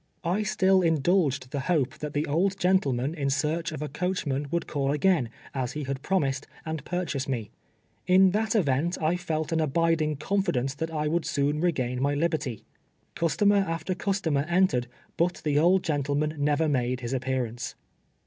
I still indulged the hope that the old gentleman in search of a coachman would call again, as he had promised, and pui'chase me. In that event I felt an abiding confidence that I would Boon regain my liberty. Customer after customer entered, but the old gentleman never nuide his ap pearance.